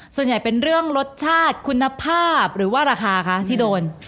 ส่วนใหญ่เป็นเรื่องรสชาติคุณภาพหรือว่าราคาคะที่โดน